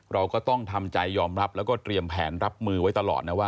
เราก็ต้องทำใจยอมรับแล้วก็เตรียมแผนรับมือไว้ตลอดนะว่า